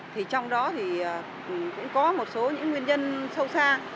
thì trong đó thì cũng có một số những nguyên nhân sâu xa